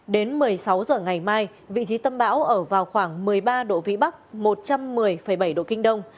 đến một mươi sáu h ngày mai vị trí tâm bão ở vào khoảng một mươi ba độ vĩ bắc một trăm một mươi bảy độ kinh đông